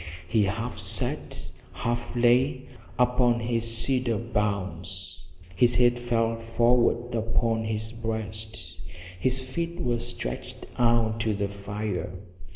He half sat, half lay, upon his cedar boughs; his head fell forward upon his breast, his feet were stretched out to the fire.